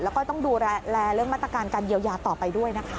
แล้วก็ต้องดูแลเรื่องมาตรการการเยียวยาต่อไปด้วยนะคะ